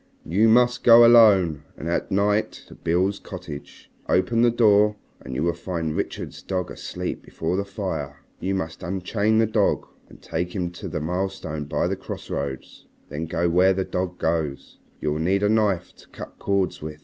"You must go alone and at night to Beale's cottage, open the door and you will find Richard's dog asleep before the fire. You must unchain the dog and take him to the milestone by the crossroads. Then go where the dog goes. You will need a knife to cut cords with.